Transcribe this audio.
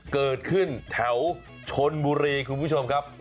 เกิดขึ้นแถวชนบุรีคุณผู้ชมครับ